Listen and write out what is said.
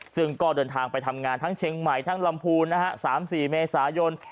ซึ่งก็เดินทางไปทำงานทั้งเชียงใหม่ทั้งลำพูน๓๔เมษายน